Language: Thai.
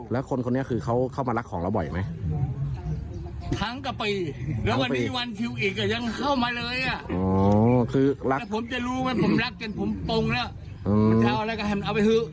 แล้วคุณก็ต้องถามผมผมทำไมลูกนอนไงครโมยละเขาไม่รู้